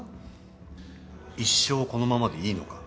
一生このままでいいのか？